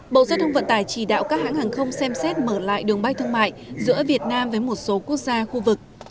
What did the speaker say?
bộ giao thông vận tải chỉ đạo các hãng hàng không xem xét mở lại đường bay thương mại giữa việt nam với một số quốc gia khu vực